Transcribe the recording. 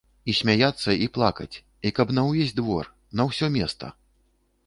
І смяяцца і плакаць, і каб на ўвесь двор, на ўсё места.